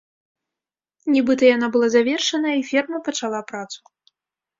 Нібыта, яна была завершаная і ферма пачала працу.